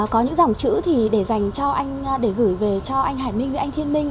có những dòng chữ thì để dành cho anh để gửi về cho anh hải minh với anh thiên minh